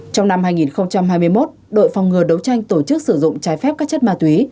trong năm hai nghìn hai mươi một đội phòng ngừa đấu tranh tổ chức sử dụng trái phép các chất ma túy